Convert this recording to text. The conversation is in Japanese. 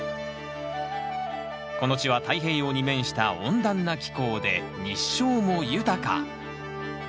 この地は太平洋に面した温暖な気候で日照も豊か。